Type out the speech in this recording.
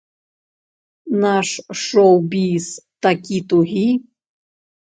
Наш шоў-біз такі тугі.